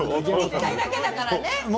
１回だけだからね。